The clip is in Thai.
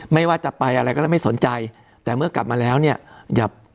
ไม่ว่าจะไปอะไรก็ได้ไม่สนใจแต่เมื่อกลับมาแล้วเนี่ยอย่า